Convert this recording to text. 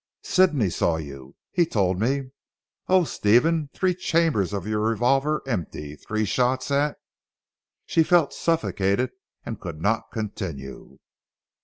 "Sidney saw you. He told me. Oh, Stephen, three chambers of your revolver empty three shots at " she felt suffocated and could not continue.